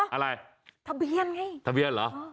อะไรทะเบียนไงทะเบียนเหรอ